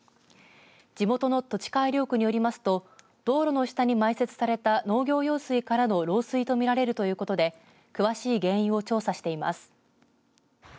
地元の土地改良区によりますと道路の下に埋設された農業用水からの漏水と見られるということで詳しい原因を調査しています。